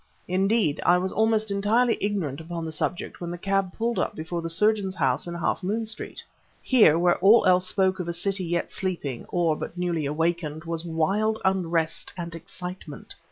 Indeed, I was almost entirely ignorant upon the subject when the cab pulled up before the surgeon's house in Half Moon Street. Here, where all else spoke of a city yet sleeping or but newly awakened, was wild unrest and excitement.